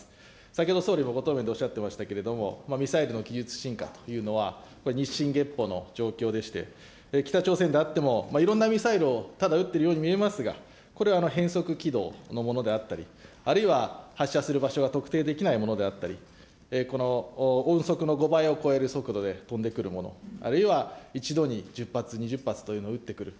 先ほど総理もご答弁でおっしゃっていましたけれども、ミサイルの技術進化というのはこれ日進月歩の状況でして、北朝鮮であっても、いろんなミサイルをただ撃っているように見えますが、これは変則軌道のものであったり、あるいは発射する場所が特定できないものであったり、音速の５倍を超える速度で飛んでくるもの、あるいは一度に１０発、２０発というのを撃ってくる。